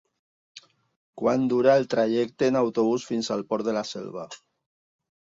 Quant dura el trajecte en autobús fins al Port de la Selva?